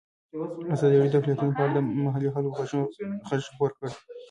ازادي راډیو د اقلیتونه په اړه د محلي خلکو غږ خپور کړی.